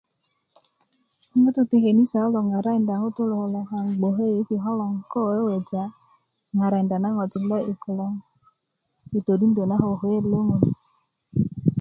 ŋutu ti kenisa kulo ŋarakinda kaŋ bgoke yu i likö logon ko weweja ŋarakinda na ŋojik lo'di'dik kulo i todindö na ko ko kulye lo ŋun